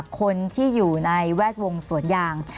คนที่อยู่ในแวดวงสวนยาง